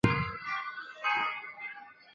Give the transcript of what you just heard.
赞古勒赫的波尔至之间的路段为第三标段。